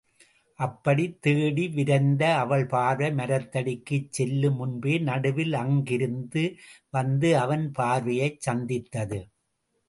அப்படித் தேடி விரைந்த அவள் பார்வை மரத்தடிக்குச் செல்லு முன்பே நடுவில் அங்கிருந்து வந்த அவன் பார்வையைச் சந்தித்தது.